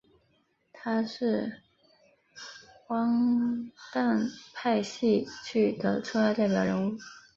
他是荒诞派戏剧的重要代表人物。